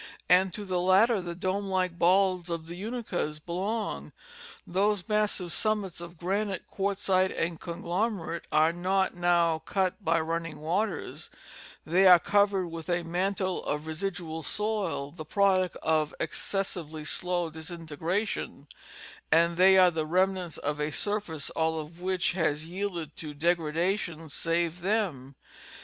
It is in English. And to the latter the dome like " balds " of the Unakas belong. Those massive sum mits of granite, quartzite and conglomerate are not now cut by running waters ; they are covered with a mantel of residual soil, the pi'oduct of excessively slow disintegration, and they are the remnants of a surface all of which has yielded to degradation, save them.